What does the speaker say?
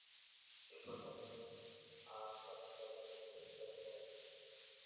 এরপর তাকে আর অস্ট্রেলিয়া দলে খেলতে দেখা যায়নি।